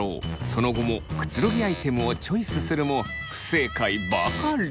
その後もくつろぎアイテムをチョイスするも不正解ばかり。